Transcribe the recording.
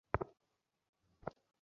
তোর মনে যখন যাহা হয় বলিস না কেন?